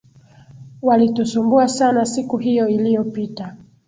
Walitusumbua sana siku hiyo iliyopita